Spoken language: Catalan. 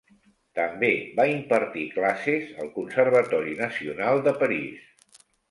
També va impartir classes al Conservatori Nacional de París.